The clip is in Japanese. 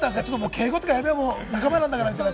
敬語とかやめよう、仲間なんだからって。